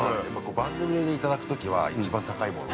◆番組でいただくときは一番高いものを。